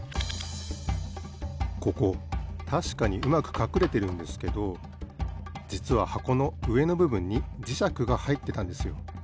ここたしかにうまくかくれてるんですけどじつははこのうえのぶぶんにじしゃくがはいってたんですよ。